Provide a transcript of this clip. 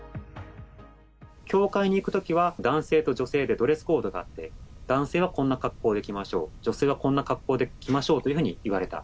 教会に行くときは、男性と女性でドレスコードがあって、男性はこんな格好で来ましょう、女性はこんな格好で来ましょうというふうに言われた。